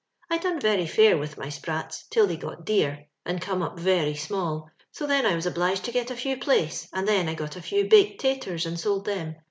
I done very fair with my sprats till they got dear and come up very small, so then I was obliged to get a few plaice, and then I got a few baked 'taters and sold them.